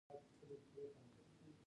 کویلیو د سکرېپټ لیکلو هنر ته مخه کړه.